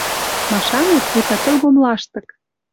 Машанет, вуйта пӹлгом лаштык